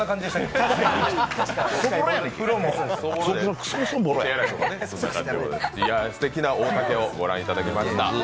すてきな太田家を御覧いただきました。